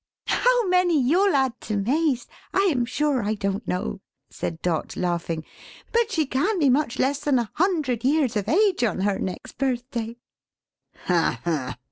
"How many you'll add to May's, I am sure I don't know," said Dot, laughing. "But she can't be much less than a hundred years of age on her next birthday." "Ha ha!"